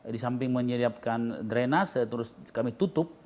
di samping menyiapkan drenase terus kami tutup